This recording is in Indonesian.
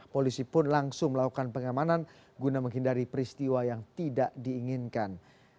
polisi pun langsung melakukan pengamanan guna menghindari peristiwa yang tidak diinginkan